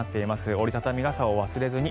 折り畳み傘を忘れずに。